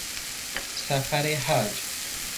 سفر حج